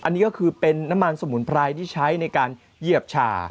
อันนี้ก็คือเป็นน้ำมันสมุนไพรที่ใช้ในการเหยียบชา